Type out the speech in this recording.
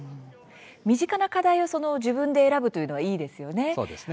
身近な課題を自分で選ぶというのはいいですね。